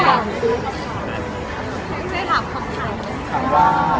ระหว่างแวะกับเร็วกับตายแล้วสนุกกว่าหรือเปิดใจมากกว่านี้